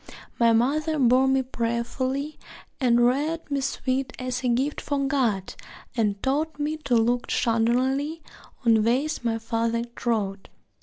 My mother bore me prayerfully And reared me sweet as a gift for God, And taught me to look shudderingly On ways my father trod.